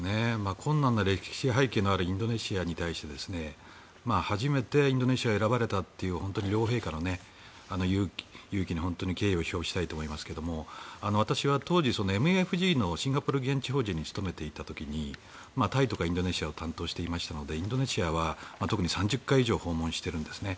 困難な歴史背景のあるインドネシアに対して初めてインドネシアを選ばれたという両陛下の勇気に本当に敬意を表したいと思いますが私は当時、ＭＦＧのシンガポール現地法人に勤めていた時にタイとかインドネシアを担当していましたのでインドネシアは特に３０回以上訪問しているんですね。